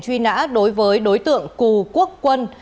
truy nã đối với đối tượng cù quốc quân